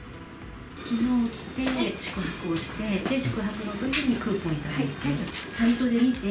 きのう来て、宿泊をして、宿泊のときにクーポン頂いて。